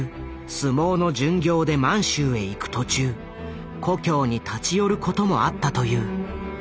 相撲の巡業で満州へ行く途中故郷に立ち寄ることもあったという。